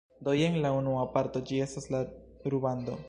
Do jen la unua parto, ĝi estas la rubando